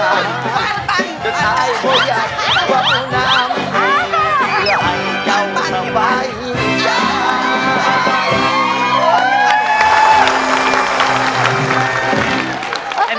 ก็ถ่ายว่าอยากกว่าน้ำอีก